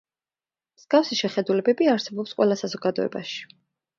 მსგავსი შეხედულებები არსებობს ყველა საზოგადოებაში.